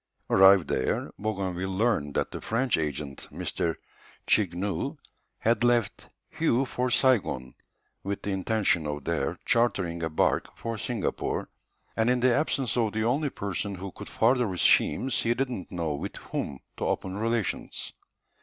Arrived there, Bougainville learned that the French agent, M. Chaigneu, had left Hué for Saigon, with the intention of there chartering a barque for Singapore, and in the absence of the only person who could further his schemes he did not know with whom to open relations.